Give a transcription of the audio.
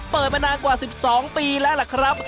เปิดมานานกว่า๑๒ปีแล้วล่ะครับ